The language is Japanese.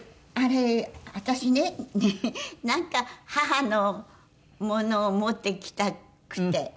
あれ私ねなんか母のものを持ってきたくて。